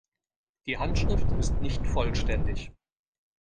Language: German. Die Handschrift ist nicht vollständig.